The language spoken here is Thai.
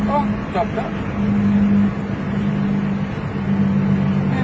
โอ้ยจบแล้ว